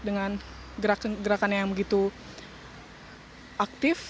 dengan gerakannya yang begitu aktif